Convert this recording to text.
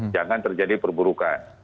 jangan terjadi perburukan